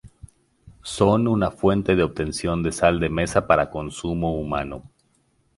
Son una fuente de obtención de sal de mesa para consumo humano.